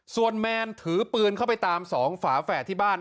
ส่วนแมนถือปืนเข้าไปตามสองฝาแฝดที่บ้าน